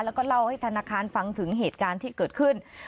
แล้วก็เล่าให้ธนาคารฟังถึงเหตุการณ์ที่เกิดขึ้น